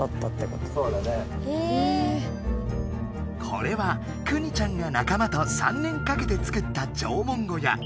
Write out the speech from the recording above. これはくにちゃんが仲間と３年かけて作った縄文小屋。